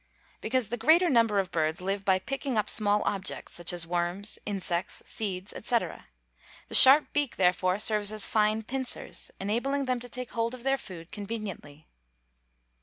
_ Because the greater number of birds live by picking up small objects, such as worms, insects, seeds, &c. The sharp beak, therefore, serves as a fine pincers, enabling them to take hold of their food conveniently.